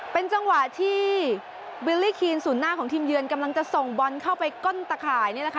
เป็นจังหวะที่บิลลี่คีนสูญหน้าของทีมเยือนกำลังจะส่งบอลเข้าไปก้นตะขาย